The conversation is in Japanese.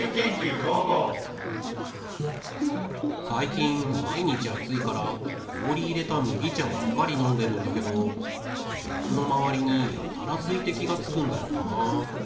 最近毎日暑いから氷入れた麦茶ばっかり飲んでるんだけどコップのまわりにやたら水滴がつくんだよなあ。